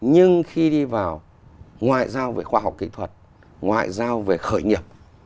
nhưng khi đi vào ngoại giao về khoa học kỹ thuật ngoại giao về khởi nghiệp